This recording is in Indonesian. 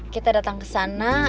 kita datang kesana